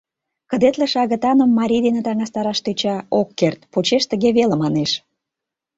Кыдетлыше агытаным марий дене таҥастараш тӧча, ок керт, почеш тыге веле манеш: